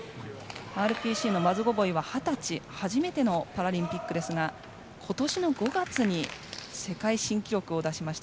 ＲＰＣのマズゴボイは二十歳初めてのパラリンピックですが今年の５月に世界新記録を出しました。